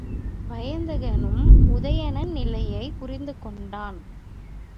வயந்தகனும் உதயணன் நிலையைப் புரிந்துகொண்டான்.